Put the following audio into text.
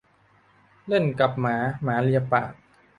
เล่นกับหมา หมาเลียปาก